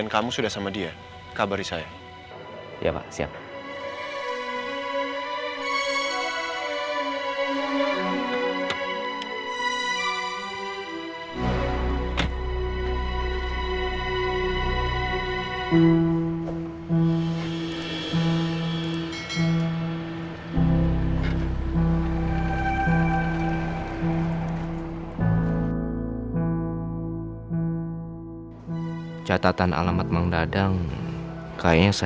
kamu bisa masuk